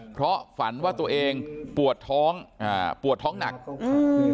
เพราะฝันว่าตัวเองปวดท้องอ่าปวดท้องหนักอืม